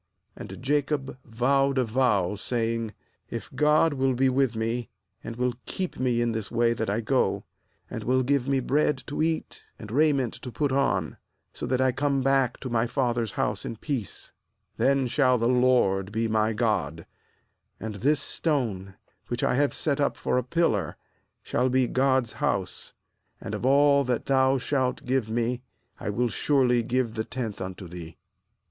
20And Jacob vowed a vow, saying: 'If God will be with me, and will keep me in this way that I go, and will give me bread to eat, and raiment to put on, that I come back to my father's house in peace, then shall the LORD be my God, ^and this ^stone, which I have set up for a pillar, shall be God's house; and of all that Thou shalt give me I will surely give the tenth unto Thee.'